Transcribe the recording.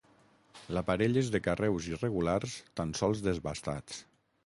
L'aparell és de carreus irregulars tan sols desbastats.